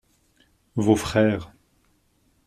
Vos frères.